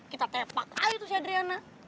kita tepak aja tuh si adriana